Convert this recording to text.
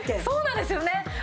そうなんですよね。